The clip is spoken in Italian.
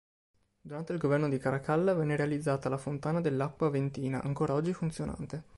Durante il governo di Caracalla venne realizzata la fontana dell'Acqua Ventina, ancora oggi funzionante.